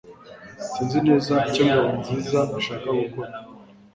Sinzi neza icyo Ngabonziza ashaka gukora